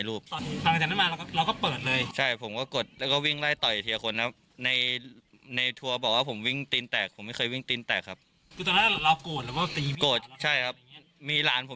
อืม